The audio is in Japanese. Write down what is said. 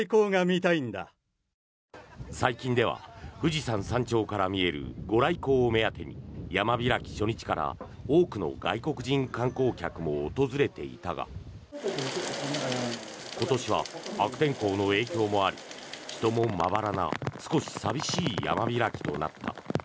最近では富士山山頂から見えるご来光を目当てに山開き初日から多くの外国人観光客も訪れていたが今年は悪天候の影響もあり人もまばらな少し寂しい山開きとなった。